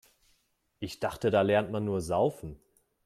Ich dachte, da lernt man nur Saufen.